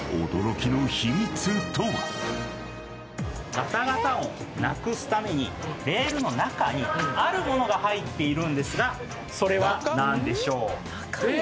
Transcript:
ガタガタ音なくすためにレールの中にあるものが入っているんですがそれは何でしょう？